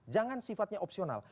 jangan sifatnya opsional